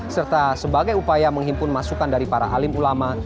serta sebagai upaya menghimpun masukan dari para alim ulama